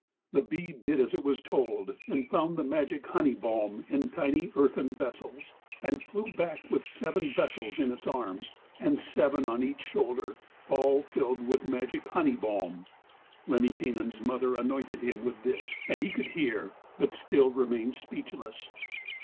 The bee did as it was told and found the magic honey balm in tiny earthen vessels, and flew back with seven vessels in its arms and seven on each shoulder, all filled with the magic honey balm. Lemminkainen's mother anointed him with this, and he could hear, but still remained speechless.